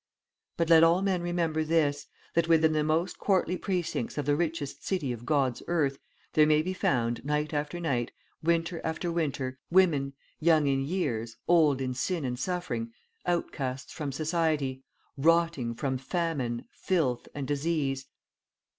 "But let all men remember this that within the most courtly precincts of the richest city of God's earth, there may be found, night after night, winter after winter, women young in years old in sin and suffering outcasts from society ROTTING FROM FAMINE, FILTH, AND DISEASE.